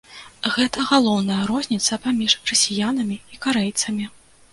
Гэта галоўная розніца паміж расіянамі і карэйцамі.